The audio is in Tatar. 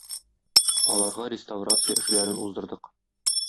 Аларга реставрация эшләрен уздырдык.